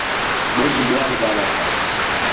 ٻُجھ ٻیال ڳاہلا کر